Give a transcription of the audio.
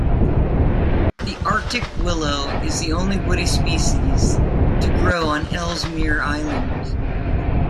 The Arctic willow is the only woody species to grow on Ellesmere Island.